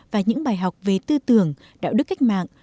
và những bài học về tư tưởng đạo đức cách mạng